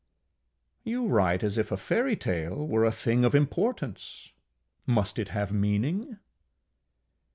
ŌĆ£You write as if a fairytale were a thing of importance: must it have a meaning?